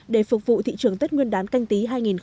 để phục vụ thị trường tết nguyên đán canh tí hai nghìn hai mươi